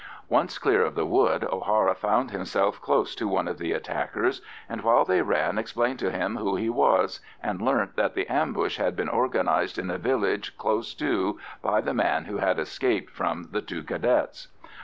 Once clear of the wood, O'Hara found himself close to one of the attackers, and while they ran explained to him who he was, and learnt that the ambush had been organised in a village close to by the man who had escaped from the two Cadets.